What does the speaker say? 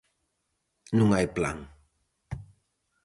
Non hai plan.